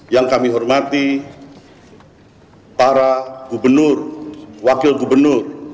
yang kami hormati para gubernur wakil gubernur